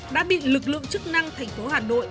đã bị lực lượng chức năng thành phố hà nội